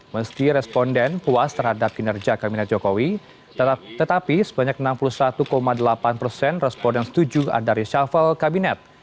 meski responden puas terhadap kinerja kabinet jokowi tetapi sebanyak enam puluh satu delapan persen responden setuju ada reshuffle kabinet